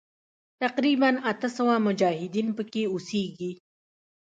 تقریباً اته سوه مجاهدین پکې اوسیږي.